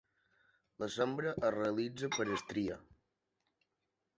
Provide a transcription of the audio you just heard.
La sembra es realitza per estria.